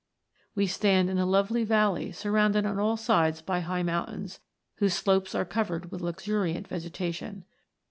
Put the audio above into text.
We stand in a lovely valley surrounded on all sides by high mountains, whose slopes are covered with luxuriant vegetation.